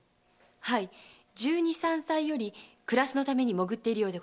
はい十二・三歳より暮らしのために潜っているようです。